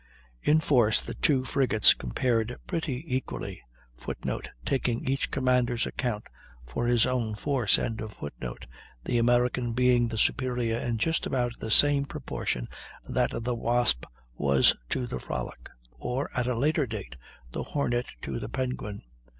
In force the two frigates compared pretty equally, [Footnote: Taking each commander's account for his own force.] the American being the superior in just about the same proportion that the Wasp was to the Frolic, or, at a later date, the Hornet to the Penguin.